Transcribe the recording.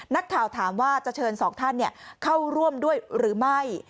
นักข่าวถามว่าจะเชิญสองท่านเข้าร่วมด้วยหรือไม่